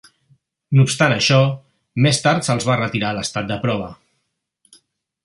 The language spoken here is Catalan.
No obstant això, més tard se'ls va retirar l'estat de prova.